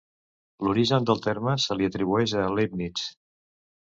L'origen del terme se li atribueix a Leibniz.